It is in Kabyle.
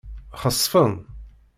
Xesfen.